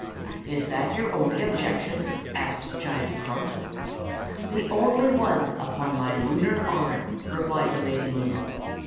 "'Is that your only objection?' asked Giant Crump. "'The only one, upon my lunar honor!' replied the Lady Moon.